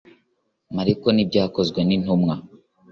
mariko ibyakozwe n intumwa